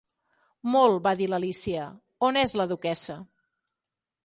"Molt", va dir l'Alícia, "on és la duquessa?"